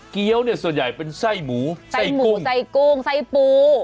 เกี้ยวส่วนใหญ่เป็นไส้หมูไส้กุ้งไส้ปู